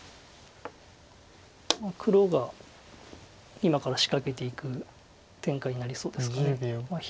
黒が今から仕掛けていく展開になりそうですか。